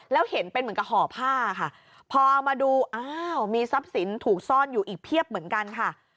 แล้วเห็นเป็นเหมือนกับห่อผ้าค่ะพอเอามาดูอ้าวมีทรัพย์สินถูกซ่อนอยู่อีกเพียบเหมือนกันค่ะ